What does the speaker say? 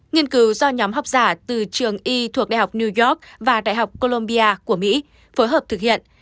nghiên cứu do nhóm học giả từ trường y thuộc đại học new york và đại học colombia của mỹ phối hợp thực hiện